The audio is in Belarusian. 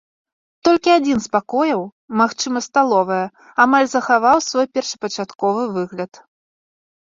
Толькі адзін з пакояў, магчыма сталовая, амаль захаваў свой першапачатковы выгляд.